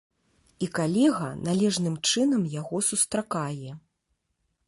І калега належным чынам яго сустракае.